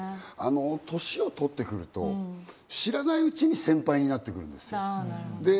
年をとってくると知らないうちに先輩なってくるんです。